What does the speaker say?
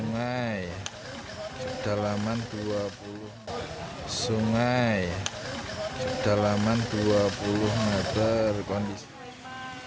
sungai dalaman dua puluh meter kondisi masih hidup